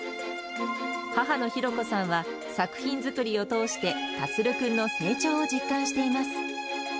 母の浩子さんは、作品作りを通して樹君の成長を実感しています。